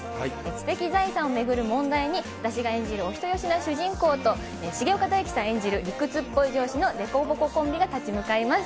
知的財産を巡る問題に、私が演じるお人よしな主人公と、重岡大毅さん演じる理屈っぽい上司の凸凹コンビが立ち向かいます。